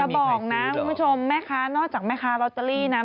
จะบอกนะคุณผู้ชมแม่ค้านอกจากแม่ค้าแร็วไดอลตติรีนะ